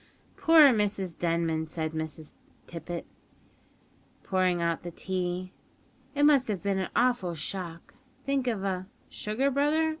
"Poor Mrs Denman," said Miss Tippet, pouring out the tea; "it must have been an awful shock; think of a (Sugar, brother?